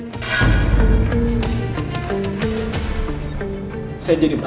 saya merasa malu dengan ibu dan bapak